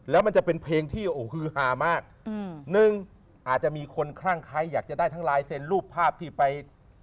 แล้วมันจะเป็นเพลงที่โอ้โหฮือฮามากอืมหนึ่งอาจจะมีคนคลั่งใครอยากจะได้ทั้งลายเซ็นต์รูปภาพที่ไป